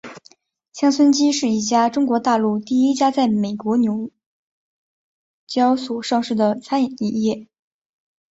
乡村基是一家中国大陆第一家在美国纽交所上市的餐饮企业。